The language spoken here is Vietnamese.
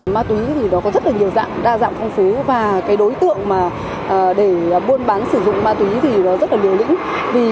ma túy thì nó có rất là nhiều dạng đa dạng phong phú và cái đối tượng để buôn bán sử dụng ma túy thì nó rất là liều lĩnh